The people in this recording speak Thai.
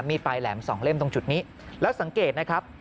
มีปลายแหลมสองเล่มตรงจุดนี้แล้วสังเกตนะครับ